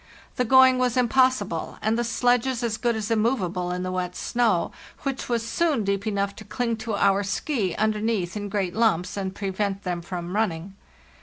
The going was impossible, and the sledges as good as immovable in the wet snow, which was soon deep enough to cling to our 'ski' underneath in great lumps, and prevent them from running.